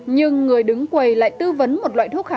nhưng người đứng quầy lại tư vấn một loại thuốc khác